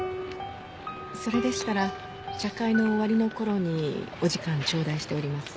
それでしたら茶会の終わりの頃にお時間ちょうだいしております。